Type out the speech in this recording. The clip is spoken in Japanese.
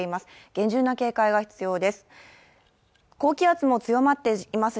厳重な警戒が必要です。